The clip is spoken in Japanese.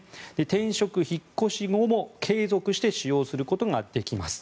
転職・引っ越し後も継続して使用することができます。